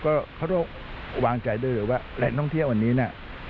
ก็พระรกษ์วางใจด้วยว่าแหลกท่องเที่ยววันนี้น่ะ